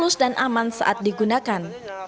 terus dan aman saat digunakan